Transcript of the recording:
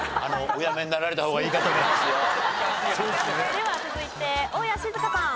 では続いて大家志津香さん。